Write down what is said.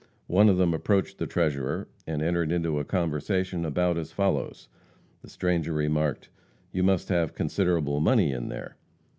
One of them approached the treasurer, and entered into a conversation about as follows: The stranger remarked, "You must have considerable money in there?"